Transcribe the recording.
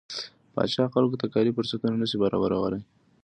پاچا خلکو ته کاري فرصتونه نشي برابرولى.